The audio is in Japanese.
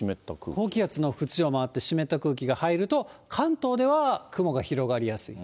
高気圧の縁を回って湿った空気が入ると、関東では雲が広がりやすい。